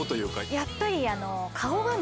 やっぱり。